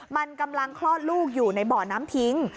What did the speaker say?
มันกำลังคลอดลูกอยู่ในบ่อน้ำทิ้ง